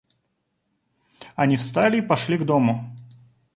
Они встали и пошли к дому.